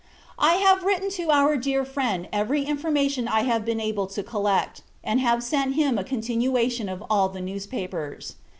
I have written to our dear friend every information I have been able to collect, and have sent him a continuation of all the newspapers.